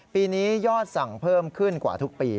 ปีนี้ยอดสั่งเพิ่มขึ้นกว่าทุกปี